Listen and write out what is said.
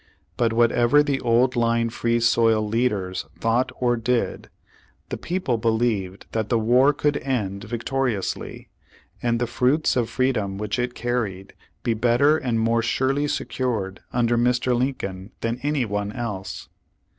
But whatever the old line Free Soil leaders thought or did, the people believed that the war could end victoriously, and the fruits of freedom which it carried be better and more surely secured under Mr. Lincoln than any one else.